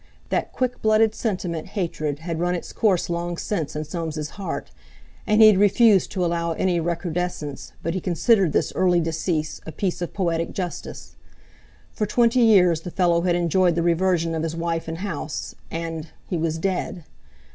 That quick blooded sentiment hatred had run its course long since in Soames' heart, and he had refused to allow any recrudescence, but he considered this early decease a piece of poetic justice. For twenty years the fellow had enjoyed the reversion of his wife and house, and—he was dead!